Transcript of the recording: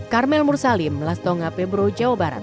karmel mursalim lastonga pebro jawa barat